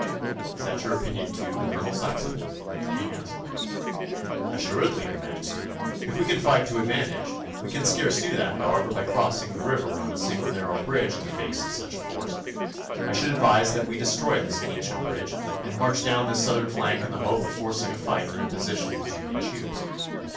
'Is that your opinion, too, Colonel Saxon?' the King asked. 'Assuredly, your Majesty, if we can fight to advantage. We can scarce do that, however, by crossing the river on a single narrow bridge in the face of such a force. I should advise that we destroy this Keynsham Bridge, and march down this southern bank in the hope of forcing a fight in a position which we may choose.